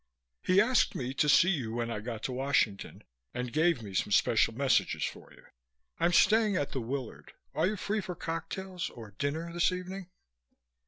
"He asked me to see you when I got to Washington and gave me some special messages for you. I'm staying at the Willard. Are you free for cocktails or dinner this evening?"